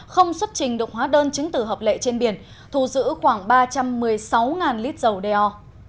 không xuất trình được hóa đơn chứng tử hợp lệ trên biển thù giữ khoảng ba trăm một mươi sáu lít dầu đeo